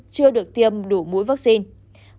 chưa được tiêm đủ mũi vaccine